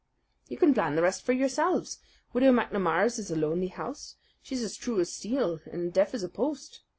"You can plan the rest for yourselves. Widow MacNamara's is a lonely house. She's as true as steel and as deaf as a post.